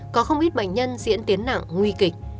có không ít bệnh nhân diễn tiến nặng nguy kịch